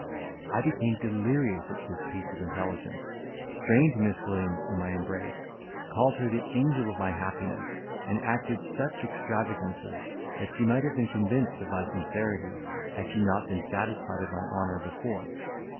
I became delirious at this piece of intelligence, strained Miss Williams in my embrace, called her the angel of my happiness, and acted such extravagances, that she might have been convinced of my sincerity, had she not been satisfied of my honour before.